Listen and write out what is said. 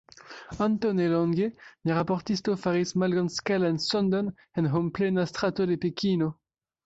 Antaŭ nelonge, nia raportisto faris malgrandskalan sondon en homplena strato de Pekino.